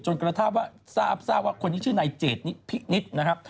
จนกระทะว่าทราบทราบว่าคนนี้ชื่อนายเจดพิกนิดนะครับ